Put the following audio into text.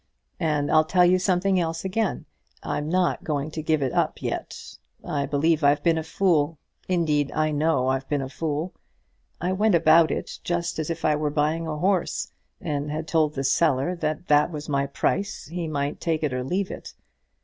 And I'll tell you something else again; I'm not going to give it up yet. I believe I've been a fool. Indeed, I know I've been a fool. I went about it just as if I were buying a horse, and had told the seller that that was my price, he might take it or leave it.